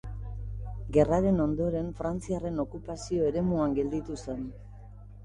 Gerraren ondoren frantziarren okupazio-eremuan gelditu zen.